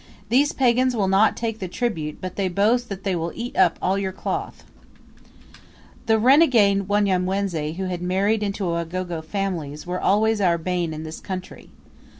These pagans will not take the tribute, but they boast that they will eat up all your cloth." The renegade Wanyamwezi who had married into Wagogo families were always our bane in this country.